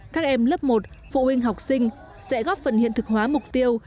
các em lớp một phụ huynh học sinh sẽ góp phần hiện thực hóa mục tiêu